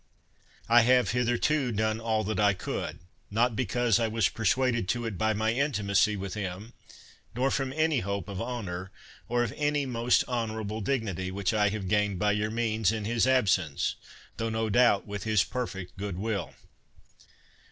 I have hitherto done all that I could, not because I was persuaded to it by my intimacy with him, nor from any hope of honor, or of any most honor able dignity; which I have gained by your means, in his absence, tho no doubt with his per fect good will.